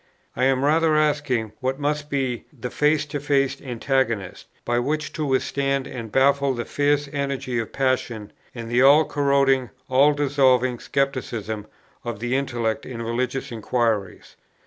I am rather asking what must be the face to face antagonist, by which to withstand and baffle the fierce energy of passion and the all corroding, all dissolving scepticism of the intellect in religious inquiries?